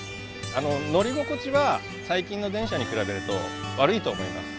乗り心地は最近の電車に比べると悪いと思います。